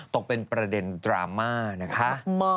ตกเป็นประเด็นดราม่านะคะ